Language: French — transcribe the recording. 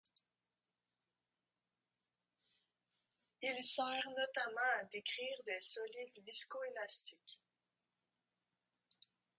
Il sert notamment à décrire des solides visco-élastiques.